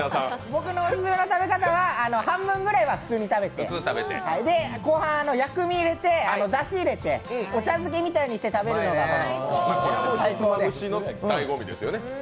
僕のオススメの食べ方は半分ぐらいは普通に食べてで、後半、薬味入れてだし入れてお茶漬けみたいにして食べるのが最高で。